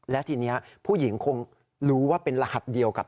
และทีนี้ผู้หญิงคงรู้ว่าเป็นรหัสเดียวกับ